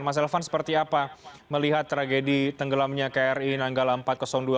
mas elvan seperti apa melihat tragedi tenggelamnya kri nanggala empat ratus dua